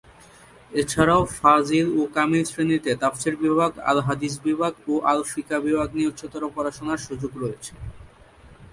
এছাড়াও ফাজিল ও কামিল শ্রেণীতে তাফসীর বিভাগ, আল হাদিস বিভাগ, ও আল ফিকহ বিভাগ নিয়ে উচ্চতর পড়াশোনার সুযোগ রয়েছে।